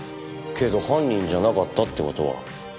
けど犯人じゃなかったって事は。